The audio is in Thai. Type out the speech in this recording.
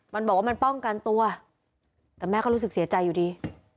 มันบอกว่ามันป้องกันตัวแต่แม่ก็รู้สึกเสียใจอยู่ดี